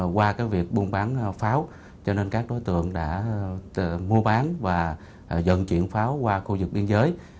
qua việc buôn bán pháo cho nên các đối tượng đã mua bán và dẫn chuyển pháo qua khu vực biên giới